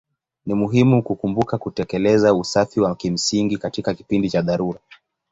Ni muhimu kukumbuka kutekeleza usafi wa kimsingi katika kipindi cha dharura.